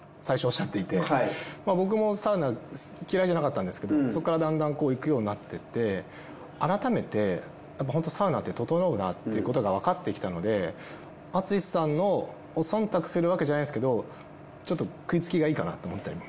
僕もサウナ嫌いじゃなかったんですけどそこからだんだん行くようになってって改めて本当サウナってととのうなっていうことがわかってきたので淳さんをそんたくするわけじゃないですけどちょっと食いつきがいいかなと思ったりも。